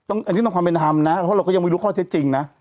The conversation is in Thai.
อันนี้ต้องความเป็นธรรมนะเพราะเราก็ยังไม่รู้ข้อเท็จจริงนะ